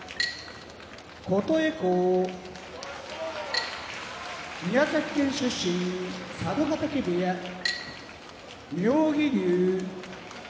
琴恵光宮崎県出身佐渡ヶ嶽部屋妙義龍